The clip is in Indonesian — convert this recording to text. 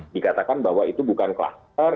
dikatakan bahwa itu bukan kluster